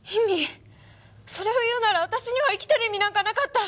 それを言うなら私には生きてる意味なんかなかった！